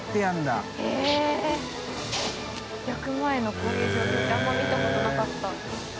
こういう状況ってあんまり見たことなかった。